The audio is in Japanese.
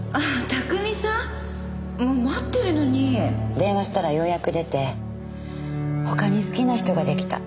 電話したらようやく出て「他に好きな人が出来た。